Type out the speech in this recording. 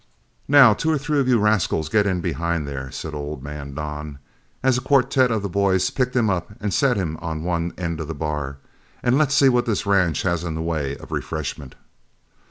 "Now, two or three of you rascals get in behind there," said old man Don, as a quartet of the boys picked him up and set him on one end of the bar, "and let's see what this ranch has in the way of refreshment."